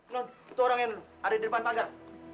nod itu orangnya nod ada di depan pagar